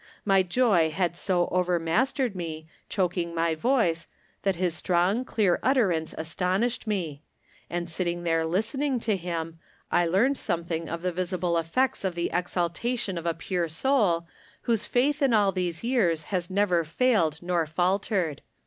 My joy had so overmastered me, choking my voice, that his strong, clear utterance astonished From Different Standpoints. 269 me ; and sitting there listening to Mm, I learned something of the Adsible effects of the exaltation of a pure soiil whose faith in all these years has "never failed nor faltered.